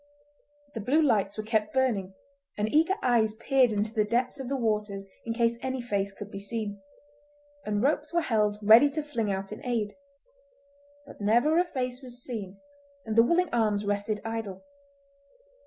The blue lights were kept burning, and eager eyes peered into the depths of the waters in case any face could be seen; and ropes were held ready to fling out in aid. But never a face was seen, and the willing arms rested idle.